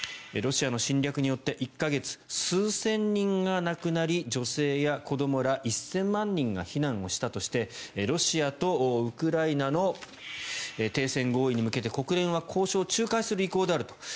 ロシアの侵略によって１か月で数千人が亡くなり女性や子どもら１０００万人が避難をしたとしてロシアとウクライナの停戦合意に向けて国連は交渉を仲介する意向であると。